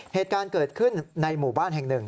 เหตุการณ์เกิดขึ้นในหมู่บ้านแห่งหนึ่ง